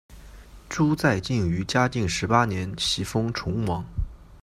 朱载境于嘉靖十八年袭封崇王。